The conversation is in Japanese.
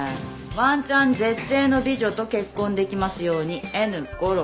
「ワンチャン絶世の美女と結婚できますように」